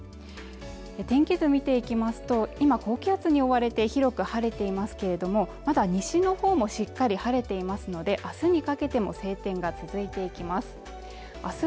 天気図見ていきますと今高気圧に覆われて広く晴れていますけれどもまだ西のほうもしっかり晴れていますのであすにかけても晴天が続いていきます